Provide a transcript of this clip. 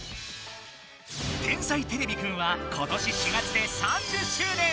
「天才てれびくん」は今年４月で３０周年。